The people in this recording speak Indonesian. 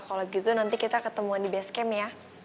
kalau gitu nanti kita ketemuan di base camp ya